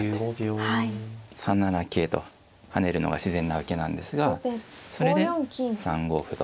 ３七桂と跳ねるのが自然な受けなんですがそれで３五歩と。